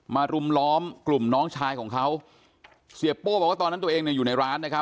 มารุมล้อมกลุ่มน้องชายของเขาเสียบโป้บอกว่าตอนนั้นตัวเองอยู่ในร้าน